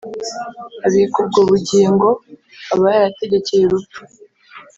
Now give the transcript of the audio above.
abika ubwo (bugingo) aba yarategekeye urupfu